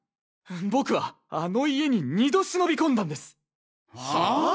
僕はあの家に二度忍び込んだんです！ハァ？